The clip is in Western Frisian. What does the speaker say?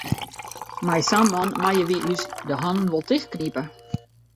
Mei sa'n man meie wy ús de hannen wol tichtknipe.